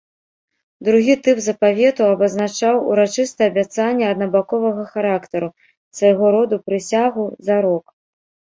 Другі тып запавету абазначаў урачыстае абяцанне аднабаковага характару, свайго роду прысягу, зарок.